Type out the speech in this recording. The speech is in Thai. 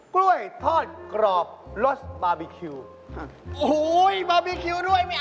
ก็นครับแล้วนี่ยังไง